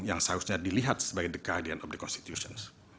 yang seharusnya dilihat sebagai the guardian of the constitutions